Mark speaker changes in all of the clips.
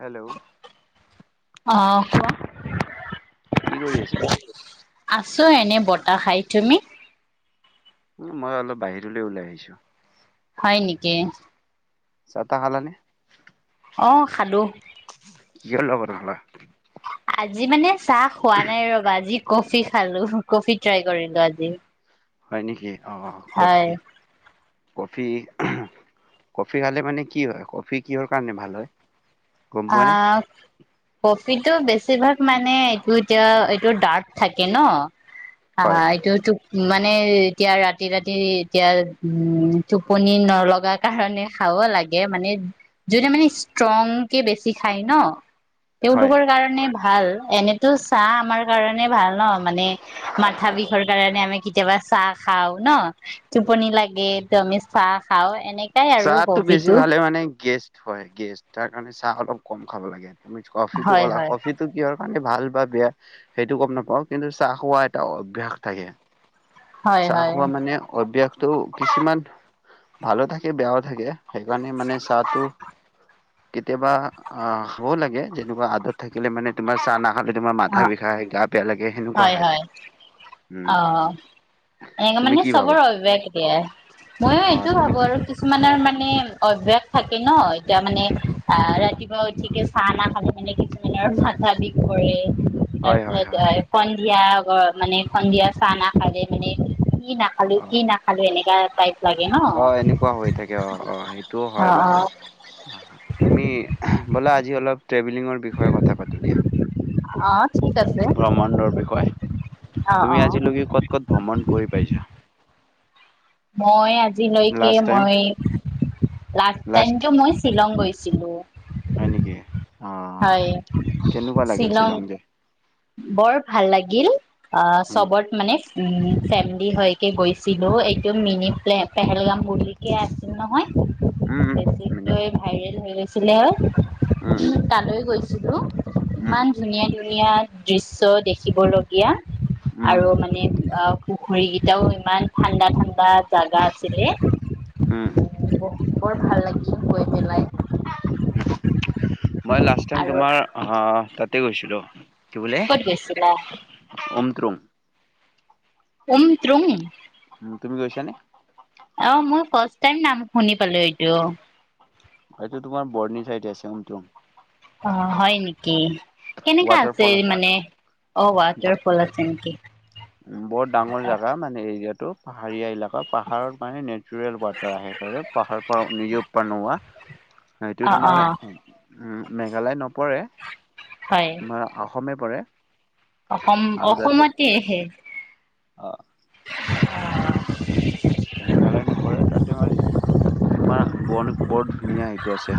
Speaker 1: Hello
Speaker 2: আহ কোৱা
Speaker 1: কি কৰি আছা?
Speaker 2: আছো এনে বতাহ খাই তুমি?
Speaker 1: উম, মই অলপ বাহিৰলৈ ওলাই আহিছো।
Speaker 2: হয় নেকি?
Speaker 1: চা টা খলা নি?
Speaker 2: অ খালো
Speaker 1: [unintelligible]
Speaker 2: আজি মানে চাহ খোৱা নাই ৰবা আজি কফি খালো কফি ট্ৰাই কৰিলো আজি
Speaker 1: হয় নেকি অহ
Speaker 2: হয়
Speaker 1: কফি। কফি কফি খালে মানে কি হয় কফি কিহৰ কাৰণে ভাল হয়। গম পোৱা নে?
Speaker 2: আহ, কফিটো বেছিভাগ মানে এইটো এতিয়া ডাৰ্ক থাকে ন
Speaker 1: হয়
Speaker 2: এইটো ম মানে এতিয়া ৰাতি ৰাতি এতিয়া উম টোপনি নলগা কাৰণে খাব লাগে। লাগে মানে যিটো মানে ষ্ট্ৰং বেছি খাই ন'
Speaker 1: হয়।
Speaker 2: তেওঁলোকৰ কাৰণে ভাল এনেতো চাহ আমাৰ কাৰণে ভাল ন মানে মাথা বিষৰ কাৰণে আমি কেতিয়াবা চাহ খাওঁ ন' টোপনি লাগে ত'আমি চাহ খাওঁ। এনেকাই আৰু
Speaker 1: চাহটো বেছি
Speaker 2: কফিটো।
Speaker 1: খালে মানে গেছ হয় গেছ তাৰ কাৰণে চাহ অলপ কম খাব লাগে তুমি কফিটো
Speaker 2: হয়
Speaker 1: কলা
Speaker 2: হয়
Speaker 1: কফিটো কি হয় মানে ভাল বা বেয়া সেইটো গম নাপাওঁ কিন্তু চাহ খোৱা এটা অভ্যাস থাকে।
Speaker 2: হয়
Speaker 1: চাহ
Speaker 2: হয়
Speaker 1: খোৱা মানে অভ্যাস ত' কিছুমান ভালো থাকে বেয়াও থাকে সেইকাৰণে মানে চাহটো কেতিয়াবা অ হব লাগে যেনেকুৱা আদত থাকিলে মানে তোমাৰ চাহ না তহতে তোমাৰ
Speaker 2: অ
Speaker 1: মাথা বিষাই গা বেয়া লাগে সেনেকুৱা হয় উম
Speaker 2: অ এনেকে
Speaker 1: তুমি
Speaker 2: মানে
Speaker 1: কি
Speaker 2: চবৰ
Speaker 1: ভাবা
Speaker 2: অভ্যাস একেই। ময়ো
Speaker 1: অ
Speaker 2: এইটো
Speaker 1: তুমি
Speaker 2: ভাবো
Speaker 1: কি
Speaker 2: আৰু কিছুমানৰ মানে মানে অভ্যাস থাকে ন এতিয়া মানে অ ৰাতিপুৱা উঠিকে চাহা নাখালে মানে কিছুমানে। চাফা দি কৰে। তাৰ
Speaker 1: হয় হয়
Speaker 2: পিছত
Speaker 1: হয়
Speaker 2: সন্ধিয়া মানে সন্ধিয়া চাহ না খালে মানে। কি নাখালি
Speaker 1: অ
Speaker 2: -কি নাখালিএনেকা টাইপ। লাগে ন।
Speaker 1: অ এনেকুৱা হৈ থাকে, অ অ সেইটোও হয় বাৰু। অ তুমি ব'লা আজি অলপ। ট্ৰেভেলিঙৰ বিষয়ে কথা পাতো দিয়া
Speaker 2: অ ঠিক আছে।
Speaker 1: ভ্ৰমণ্ডৰ বিষয়ে।
Speaker 2: অ অ
Speaker 1: তুমি আজিলৈকে ক'ত ক'ত ভ্ৰমণ কৰি পাইছা।
Speaker 2: মই আজিলৈকে
Speaker 1: লাষ্ট টাইম
Speaker 2: মই লাষ্ট টাইম মই শ্বিলং গৈছো। চিলো।
Speaker 1: হয় নেকি? অ
Speaker 2: হয়
Speaker 1: কেনেকুৱা লাগিল
Speaker 2: শ্বিলং,।
Speaker 1: যাই
Speaker 2: বৰ ভাল লাগিল, অ
Speaker 1: উম
Speaker 2: চবত মানে। উ ফেমিলি হৈকে গৈছিলো এইটো মিনি প্লে পেহেলগাম বুলিকে আছিল নহয়।
Speaker 1: উম উম মিনিট
Speaker 2: বেছিকে ভাইৰেল হৈ গৈছিলে,
Speaker 1: উম
Speaker 2: তালৈ গৈছিল।
Speaker 1: উম
Speaker 2: ইমান ধুনীয়া ধুনীয়া দৃশ্য দেখিবলগীয়া।
Speaker 1: উম
Speaker 2: আৰু মানে অ পুখুৰী কেইটাও ইমান ঠাণ্ডা ঠাণ্ডা। জাগা আছিলে।
Speaker 1: উম
Speaker 2: বৰ ভাল লাগিছিল গৈ পেলাই।
Speaker 1: মই লাষ্ট টাইম
Speaker 2: আৰু
Speaker 1: তোমাৰ আহ তাতে গৈছিলো। কি বুলে
Speaker 2: ক'ত গৈছিলা
Speaker 1: অমত্ৰুম।
Speaker 2: উম তুম।
Speaker 1: উম তুমি গৈছা নে?
Speaker 2: অ মই ফাৰ্ষ্ট টাইম নাম শুনি পালো এইটো।
Speaker 1: হয়টো তোমাৰ বৰ্নি চাইড আছে অমতং।
Speaker 2: অ হয় নেকি? কেনেকা আছে
Speaker 1: ৱাটাৰফল
Speaker 2: মানে অ ৱাটাৰ ফল আছে নেকি?
Speaker 1: উ বৰত ডাঙৰ জাগা মানে এইৰিয়াত। টো পাহাৰীয়া এলেকা পাহাৰত মানে নেচাৰেল ৱাটাৰ আহে স পাহাৰ পৰা নিজে উৎপন্ন হোৱা। সটো
Speaker 2: অ অ
Speaker 1: তোমাৰ উ মেঘালয়ত নপৰে
Speaker 2: হয়
Speaker 1: তোমাৰ। অসমে পৰে।
Speaker 2: অসম অসমতেহে।
Speaker 1: অঁ।
Speaker 2: অহ।
Speaker 1: মেঘালয় নপৰে তাতে মানে তোমাৰ বন বৰ ধুনীয়া সেইটো আছে।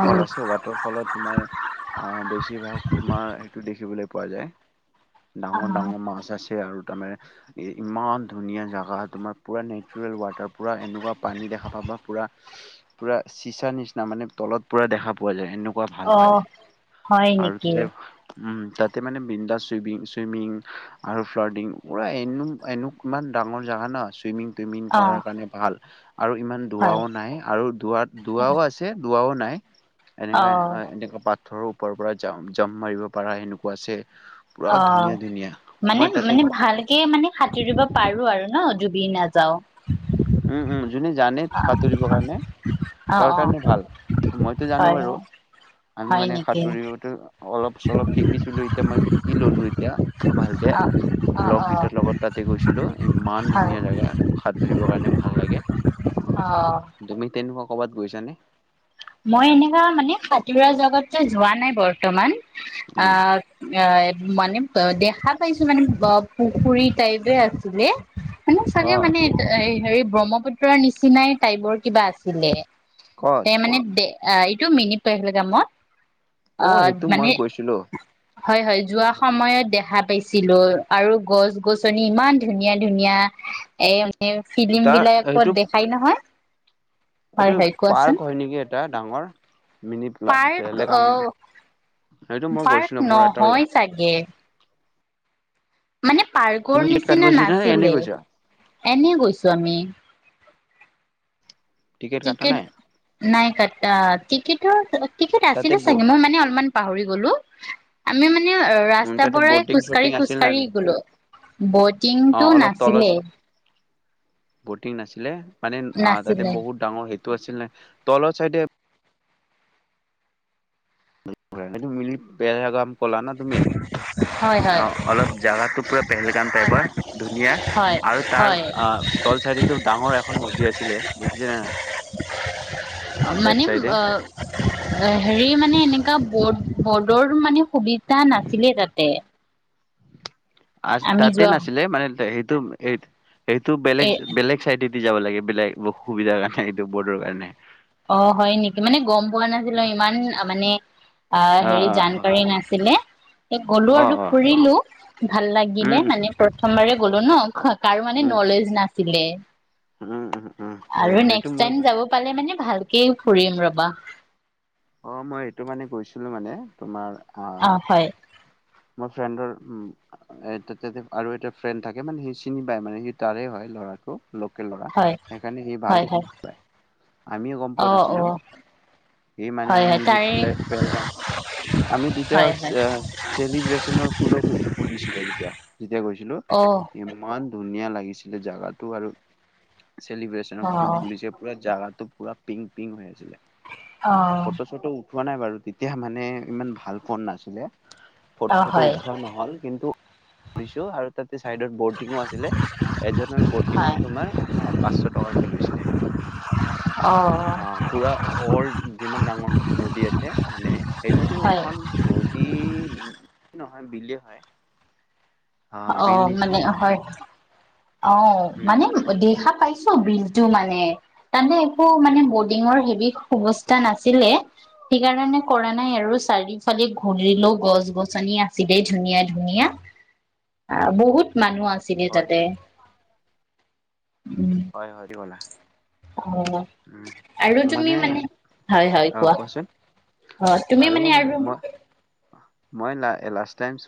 Speaker 2: অ
Speaker 1: আছে ৱাটাৰফলত তোমাৰ অ বেছ। বেছিভাগ তোমাৰ সেইটো দেখিবলৈ পোৱা যায় ডাঙৰ ডাঙৰ মাছ আছে আৰু। মে ইমান ধুনীয়া জাগা হ তোমাৰ। পুৰা নেচাৰেল ৱাটাৰ পুৰা এনেকুৱা পানী দেখা পাবা, পুৰা, পুৰা চিচা নিচিনা মানে। তলত পুৰা দেখা পোৱা যায় এনেকুৱা ভাল
Speaker 2: অ
Speaker 1: পানী
Speaker 2: হয়
Speaker 1: আৰু
Speaker 2: নেকি
Speaker 1: তে। তাতে মানে বিন্দাছ চুইমিং চুইমিং আৰু ফ্লাডিং পূৰা এনে এনে ইমান। ডাঙৰ জোগা ন চুইমিং টুইমিং
Speaker 2: অ
Speaker 1: কৰাৰ কাৰণে ভাল। আৰু ইমান
Speaker 2: হয়
Speaker 1: দুৱাও নাই আৰু দুৱ দুৱাও আছে, দুৱাও নাই।
Speaker 2: অ
Speaker 1: এনেকুৱা এনেকুৱা পাথৰৰ ওপৰৰ পৰা জাপ মাৰিব পৰাৰা সেনেকুৱা আছে। পুৰা
Speaker 2: অ
Speaker 1: ধুনীয়া ধুনীয়া
Speaker 2: মানে
Speaker 1: মই তাতে
Speaker 2: মানে ভালকে মানে,। সাঁতুৰিব পাৰো আৰু ন ডুবি নাযাও।
Speaker 1: উম! উম! যোনে জানে সাঁতুৰিবৰ কাৰণে
Speaker 2: অ
Speaker 1: তাৰ
Speaker 2: অ
Speaker 1: কাৰণে ভাল মইতো জানো
Speaker 2: হয়
Speaker 1: বাৰু। আমি
Speaker 2: হয়
Speaker 1: মানে
Speaker 2: নেকি
Speaker 1: সাঁতুৰিওতো অলপ চলপ শিকিছিলো এতিয়া মই শিকি ললো এতিয়া ভালকে।
Speaker 2: অ অ অ
Speaker 1: লগগীতাৰ লগত তাতে গৈছিলোঁ ইমান
Speaker 2: হয়
Speaker 1: ধুনীয়া জেগা। কাৰণ ভাল লাগে
Speaker 2: অ
Speaker 1: তুমি তেনেকুৱা কৰবাত গৈছানে।
Speaker 2: মই এনেকা মানে সাতোৰা জগত যে যোৱা নাই বৰ্তমান। অ
Speaker 1: উম
Speaker 2: অ মানে দেখা পাইছো মানে পুখুৰী টাইপে আছিলে। মানে
Speaker 1: অ
Speaker 2: চাগে মানে হেৰি ব্ৰহ্মপুত্ৰৰ নিচিনাই টাইপৰ কিবা আছিলে
Speaker 1: ক'ত
Speaker 2: এ মানে দে এইটো মিনি পেহেলগাম
Speaker 1: অ সেইটো মই গৈছিলোঁ
Speaker 2: হয় হয় যোৱা সময়ত দেখা পাইছিলো আৰু গছ গছনি ইমান ধুনীয়া ধুনীয়া, এয়া মিও ফিল্ম
Speaker 1: তাৰ
Speaker 2: বিলাকত
Speaker 1: সেইটো
Speaker 2: দেখাই নহয়। হয়
Speaker 1: এইটো
Speaker 2: হয় কোৱাচোন
Speaker 1: পাৰ্ক হয় নেকি এটা ডাঙৰ মিনি পা
Speaker 2: পাৰ্ক অ
Speaker 1: পেলেগাম
Speaker 2: পাৰ্ক নহয় চাগে মানে
Speaker 1: তুমি
Speaker 2: পাৰ্কৰ
Speaker 1: টিকেট কাটি
Speaker 2: নিচিনা
Speaker 1: গৈছা নে এনে
Speaker 2: নাছিলে
Speaker 1: গৈছা
Speaker 2: এনে গৈছো আমি
Speaker 1: কাটা
Speaker 2: টিকেট
Speaker 1: নাই
Speaker 2: নাই কাটা টিকটৰ টিকট
Speaker 1: তাতে
Speaker 2: আছিলে
Speaker 1: ব
Speaker 2: চাগে মই মানে অলপমান পাহৰি গলো। আমি মানে ৰাস্তা
Speaker 1: তাতে
Speaker 2: পৰাই
Speaker 1: বটিং
Speaker 2: খোজ
Speaker 1: চটিং
Speaker 2: কাঢ়ি খোজ
Speaker 1: আছিল নে
Speaker 2: কাঢ়ি
Speaker 1: নাই
Speaker 2: গলো
Speaker 1: অ
Speaker 2: বটিংটো
Speaker 1: অলপ তলত
Speaker 2: নাছিলে
Speaker 1: বটিং নাছিলে মানে আহ তাতে
Speaker 2: নাছিলে
Speaker 1: বহুত ডাঙৰ সেইটো আছিলে তলৰ চাইডে সেইটো মিলি বেয়া গাম কলা না তুমি
Speaker 2: হয় হয়
Speaker 1: অ অলপ জাগাটো পুৰা পেহেলগাম টাইপৰ ধুনীয়া
Speaker 2: হয়
Speaker 1: আৰু তাৰ
Speaker 2: হয়
Speaker 1: আহ তল চাইতো ডাঙৰ এখন নদী আছিলে দেখিছা নে নাই লেফ্ট
Speaker 2: মানে
Speaker 1: চাইডে
Speaker 2: অ হেৰি মানে এ, এনেকা [unintelligible] বড বৰ্ডৰ মানে সুবিধা নাছিলে তাতে।
Speaker 1: আ
Speaker 2: আমি
Speaker 1: তাতে
Speaker 2: যোৱা
Speaker 1: নাছিলে মানে সেইটো সেইটো বেলেগ
Speaker 2: এ
Speaker 1: বেলেগ চাইডে দি দি যাব লাগে বেলেগ সুবিধাৰ কাৰণে এইটো বৰ্ডৰ কাৰণে
Speaker 2: অ হয় নেকি মানে গম পোৱা নাছিলো ইমান মানে আহ
Speaker 1: অ
Speaker 2: হেৰি
Speaker 1: অ অ
Speaker 2: জানকাৰী নাছিলে। গ'লো
Speaker 1: অ
Speaker 2: আৰু
Speaker 1: অ
Speaker 2: ফুৰিলো ভাল লাগিলে
Speaker 1: উম
Speaker 2: মানে প্ৰথমবাৰে গলো ন কাৰো মানে
Speaker 1: উম
Speaker 2: নলেজ নাছি ছিলে
Speaker 1: উম উম উম
Speaker 2: আৰু
Speaker 1: এইটো
Speaker 2: নেক্সট
Speaker 1: মই
Speaker 2: টাইম যাব পালে মানে, ভালকে ফুৰিম ৰবা
Speaker 1: অ মই এইটো মানে গৈছিলো মানে তোমাৰ,
Speaker 2: অ হয়
Speaker 1: ফ্ৰেডৰ উতে আৰু এটা ফ্ৰেণ্ড থাকে মানে সি চিনি পায় মানে সি তাৰে হয় ল'ৰাটো ল'ৰা
Speaker 2: হয়
Speaker 1: সেইকাৰণে সি
Speaker 2: হয়
Speaker 1: ভালকে
Speaker 2: হয়
Speaker 1: চিনি পায় আমিয়ো গম
Speaker 2: অ
Speaker 1: পোৱা
Speaker 2: অ
Speaker 1: নাছিলোঁ। সি মানে
Speaker 2: হয়
Speaker 1: আমি
Speaker 2: হয়
Speaker 1: মিনি
Speaker 2: তাৰে
Speaker 1: পেহেলগাম। আমি তেতিয়া,
Speaker 2: হয় হয়
Speaker 1: চালিবেচনৰ ফুলকে ফুলিছিলে যেতিয়া তেতিয়া গৈছিলো
Speaker 2: অ
Speaker 1: ইমান ইমান ধুনীয়া লাগিছিলে জাগাটো আৰু চেলিব্ৰেচন
Speaker 2: অ
Speaker 1: ফুল ফুলিছে পুৰা জাগা। পুৰা পিংক পিংক হৈ আছিলে।
Speaker 2: অ
Speaker 1: ফটো চটো উঠোৱা নাই বাৰু তেতিয়া মানে ইমান ভাল ফোন নাছিলে
Speaker 2: অ
Speaker 1: ফটোটো
Speaker 2: হয়
Speaker 1: উঠোৱা নহল কিন্তু কৰিছো আৰু তাত চাইডত ব'টিঙো আছিলে এজনৰ বটিঙত
Speaker 2: হয়
Speaker 1: তোমাৰ পাঁচশ টকাকে লৈছিলে।
Speaker 2: অ
Speaker 1: অ পুৰা অলড যিমান ডাঙৰ নদী আছে মানে সেইটোতো
Speaker 2: হয়
Speaker 1: এখন নদী। নহয় বিলে হয়।
Speaker 2: অ মানে হয় অ
Speaker 1: উম
Speaker 2: মানে দেখা পাই ছো বিলতটো মানে তাতে একো মানে বৰ্ডিঙৰ হেভি সুৱস্থা নাছিলে সেইকাৰণে কৰা নাই আৰু চাৰিফালে ঘূৰিলেও গছ -গছনি আছিলেই ধুনীয়া ধুনীয়া
Speaker 1: [inaudible]
Speaker 2: আহ বহুত মানুহ আছিলে
Speaker 1: হয়
Speaker 2: তাতে
Speaker 1: হয়
Speaker 2: উম
Speaker 1: হয় হয় দিবলে
Speaker 2: অ আৰু তুমি মানে হয় হয়
Speaker 1: অ
Speaker 2: কোৱা।
Speaker 1: কোৱাচোন
Speaker 2: অ তুমি মানে আৰু,
Speaker 1: মই লাষ্ট টাইম চ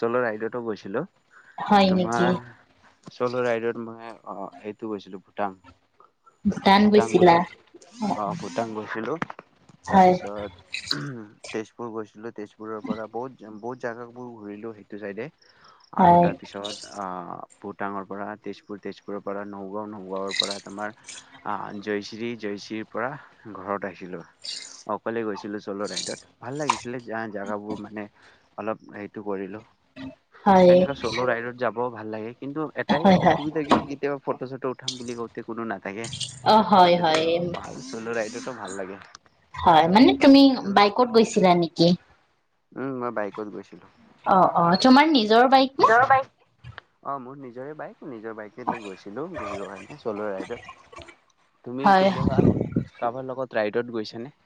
Speaker 1: চলো ৰাইডো গৈছিলোঁ।
Speaker 2: হয়
Speaker 1: তোমাৰ
Speaker 2: নেকি
Speaker 1: চল ৰাইডত মই অ এইটো গৈছিলো ভূটাং।
Speaker 2: ভূটান
Speaker 1: ভূটাং
Speaker 2: গৈছিলা
Speaker 1: গৈছিলো
Speaker 2: হয়
Speaker 1: অ ভূটাং গৈছিলো। তাৰপিছত তেজপুৰ গৈছিলো তেজপুৰৰ পৰা বহুত বহুত জেগাবোৰ ঘূৰিলো সেইটো চাইডে আৰু
Speaker 2: হয়
Speaker 1: তাৰ পিছত আহ। ভূটাঙৰ পৰা তেজপুৰ, তেজপুৰৰ পৰা নগাঁও, নগাঁওৰ পৰা তোমাৰ আহ জয়শ্ৰী জয়শ্ৰীৰ পৰা ঘৰত আছিলো। অ অকলে গৈছিলো চল' ৰাইডত ভাল লাগিছ- এই ফালে জোগাবোৰ মানে অলপ হেটো কৰিলো
Speaker 2: হয়
Speaker 1: এনেুৱা চল ৰাইত যাব- বৰ ভাল লাগে কিন্তু এটাই
Speaker 2: হয় হয়
Speaker 1: অসুবিধা কি কেতিয়াবা ফটো চটো উঠাম বুলি কও- কোনো নাথাকে
Speaker 2: অ হয়
Speaker 1: নহলেতো
Speaker 2: হয়
Speaker 1: বা চল ৰাইডটো ভাল লাগে।
Speaker 2: হয় মানে তুমি বাইকত গৈছিলা নেকি?
Speaker 1: উম মই বাইকত গৈছিলো।
Speaker 2: অ অ তোমাৰ নিজৰ বাইক নে?
Speaker 1: নিজৰ বাইক অ মোৰ নিজৰে বাইক নিজৰ বাইকে ত গৈছিলো ঘূৰিবৰ কাৰণে চল' ৰাইডত। তুমি
Speaker 2: হয়
Speaker 1: কেতিয়াবা কাৰবাৰ লগত ৰাইডত গৈছা নে?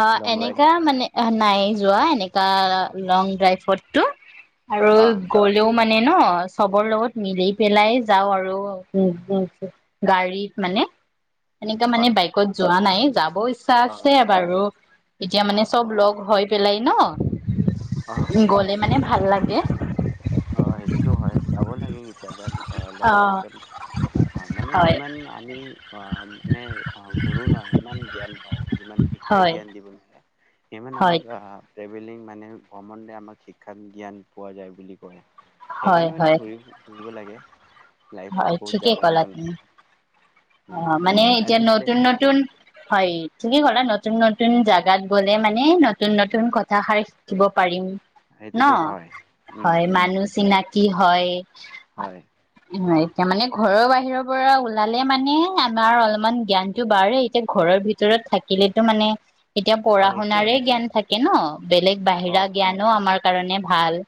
Speaker 2: অ এনেকা মানে নাই যোৱা এনেক- তাৰ লং ড্ৰাইভতটো আৰু
Speaker 1: অ
Speaker 2: গলেও মানে ন চবৰ লগত মিলি পেলাই যাওঁ আৰু উম গাড়ীত মানে। সেনেকা মানে
Speaker 1: হয়
Speaker 2: বাইকত যোৱা নাই যাব ইচ্ছা
Speaker 1: অ
Speaker 2: আছ- বাৰু এতিয়া
Speaker 1: অ
Speaker 2: মানে চব
Speaker 1: অ
Speaker 2: লগ হৈ পেলাই
Speaker 1: অ
Speaker 2: ন গলে মানে ভা- ভাল লাগে।
Speaker 1: অ সেইটোতো হয় যাব লাগে কেতিয়াবা অহ লং
Speaker 2: অ
Speaker 1: ড্ৰাইভত অ মানে
Speaker 2: হয়
Speaker 1: যিমান আমি অ মানে ঘোৰো নহ সিমান জ্ঞান পাওঁ। যিমান শিক্ষাই
Speaker 2: হয়
Speaker 1: জ্ঞান দিব নোৱাৰে। ইমান
Speaker 2: হয়
Speaker 1: আমাক ট্ৰেভেলিং মানে ভ্ৰমণতে আমাক শিক্ষাত জ্ঞান পোৱা যায় বুলি কয়।
Speaker 2: হয়
Speaker 1: সেইকাৰণে মানে
Speaker 2: হয়
Speaker 1: ঘূৰি ফুৰিব লাগে। লাইফত
Speaker 2: হয়
Speaker 1: বহুত
Speaker 2: ঠিকেই
Speaker 1: জাগা
Speaker 2: কলা তুমি।
Speaker 1: উম
Speaker 2: অহ মানে
Speaker 1: তোমাৰ
Speaker 2: এতিয়া
Speaker 1: এনে প্লে
Speaker 2: নতুন নতুন হয়। থিকে ক'লা নতুন নতুন জাগাত গ'লে মানে নতুন নত- নতুন কথাষাৰ শিকিব পাৰিম
Speaker 1: সেইটোতো
Speaker 2: নহ
Speaker 1: হয় উম
Speaker 2: হয়
Speaker 1: উম
Speaker 2: মানুহ চিনাক- কি হয়।
Speaker 1: হয়।
Speaker 2: এতিয়া মানে ঘৰৰ বাহিৰৰ পৰা ওলালে মানে আমাৰ অলপমান জ্ঞানটো বাঢ়ে এতিয়া ঘৰত ভিতৰত থাকিলেতো মানে এতিয়া
Speaker 1: অ
Speaker 2: পঢ়া
Speaker 1: একো
Speaker 2: শুনাৰে জ্ঞান থাকে ন বেলেগ
Speaker 1: অ
Speaker 2: বাহিৰা জ্ঞানো আমাৰ কাৰণে ভাল।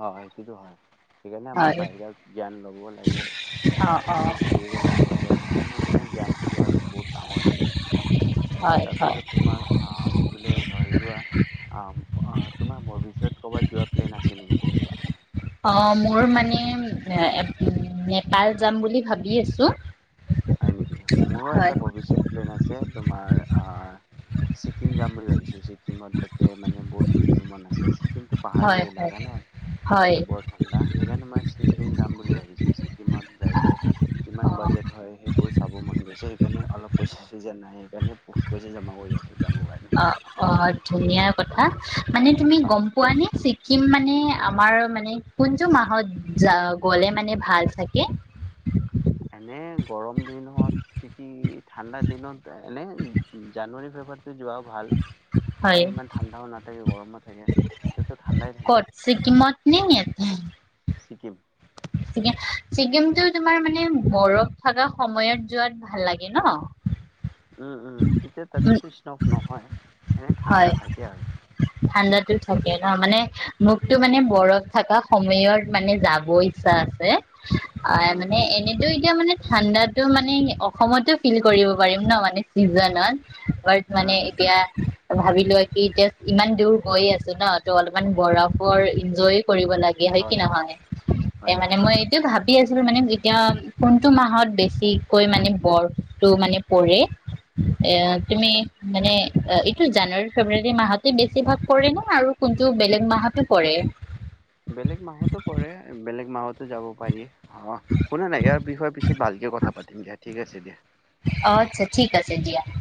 Speaker 1: হয় সেইটোতো হয় সেইকাৰণে আমাক
Speaker 2: হয়
Speaker 1: বাহিৰত জ্ঞান লব লাগে।
Speaker 2: অ অ
Speaker 1: এনো ঘূৰিব লাগে এতিয়া সেইকাৰণে মানে জ্ঞানটো লোৱাৰ বহুত ডাঙৰ সেইটো। আৰু
Speaker 2: হয় হয়
Speaker 1: তাৰপিছত তোমাৰ অহ কি বোলে ধৰি লোৱা। অ তোমাৰ ভৱিষ্যত কৰ'বাত যোৱা প্লেন আছে নেকি তেনেকুৱা?
Speaker 2: অ মোৰ মানে নেপাল যাম বুলি ভাবি আছো।
Speaker 1: হয় নেকি মোৰো
Speaker 2: হয়
Speaker 1: এটা ভৱিষ্যত প্লেন আছে তোমাৰ আহ ছিকিম যাম বুলি ভাবিছো ছিকিমত তাতে মানে বহুত ঘূৰিব মন আছে। ছি- কিন্তু
Speaker 2: হয়
Speaker 1: পাহাৰীয়া
Speaker 2: হয়
Speaker 1: এলেকা নহ
Speaker 2: হয়
Speaker 1: তাতে বৰ ঠাণ্ডা সেইকাৰণে মই ছিকিম যাম বুলি ভাবিছো ছিকিমত যাইকে কিমান
Speaker 2: অ',
Speaker 1: বাজেট হয় সেইবোৰ চাব মন গৈছে সেইকাৰণে অলপ পইচা চইছা যো নাই সেইকাৰণে বহুত পইচা জমা কৰি আছো। যাবৰ কাৰণে
Speaker 2: অ অ ধুনীয়া কথা মানে তুমি
Speaker 1: অ
Speaker 2: গম পোৱা নে ছি- কিম মানে আমাৰ মানে কোনটো মাহত গলে মানে ভাল থাকে।
Speaker 1: এনে গৰম দিনত ছিকি ঠাণ্ডা দিনত এনে জানুৱাৰী ফেব্ৰুৱাৰীতে যোৱা ভাল।
Speaker 2: হয়
Speaker 1: তেতিয়া ইমান ঠাণ্ডাও নাথাকে গৰমো নাথাকে তেতিয়া ঠাণ্ডাই থাকে।
Speaker 2: ক'ত ছিকিমত নে ইয়াতে
Speaker 1: ছিকিম।
Speaker 2: ছিকিমটো তোমাৰ মানে বৰফ থকা সময়ত যোৱাত ভাল লাগে নহঁ
Speaker 1: উম উম তেতিয়া তাতেতো স্তম্ভ নহয়। এনে
Speaker 2: হয়
Speaker 1: ঠাণ্ডা থাকে আৰু
Speaker 2: ঠাণ্ডাতো থাকে নহঁ মানে মুখতো মানে বৰফ থকা সময়ত মানে যাব ইচ্ছা আছে আহ
Speaker 1: উম
Speaker 2: মানে
Speaker 1: উম
Speaker 2: এনেত এতিয়া মানে ঠাণ্ডাতো মানে অসমতো ফিল কৰিব পাৰিম নহঁ মানে চিজনত প্ৰায়
Speaker 1: উম
Speaker 2: মানে
Speaker 1: উম
Speaker 2: এতিয়া ভাবিলোৱা কি এতিয়া ইমান দূৰ গৈয়ে আছো ন ত' অলপমান বৰফৰ এনজয় কৰিব লাগে হয় কি নহয় এ
Speaker 1: হয়
Speaker 2: মানে
Speaker 1: হয়
Speaker 2: মই
Speaker 1: হয়
Speaker 2: এইটো ভাবি আছো। মানে এতিয়া কোনটো মাহত বেছিকৈ মানে বৰফটো মানে পৰে। এ
Speaker 1: হয়
Speaker 2: তুমি মানে জানুৱাৰী ফেব্ৰুৱাৰী মাহতে বেছিভাগ কৰে নহঁ আৰু কোনটো বেলেগ মাহতোঁ পৰে।
Speaker 1: বেলেগ মাহতো পৰে বেলেগ মাহত। যাব পাৰি অ শুনা নাই ইয়াৰ বিষয় পিছত ভালকে কথা পাতিম দিয়া ঠিক আছে দিয়া।
Speaker 2: অ আচ্ছা ঠিক আছে দিয়া অ